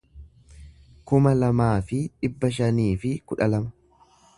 kuma lamaa fi dhibba shanii fi kudha lama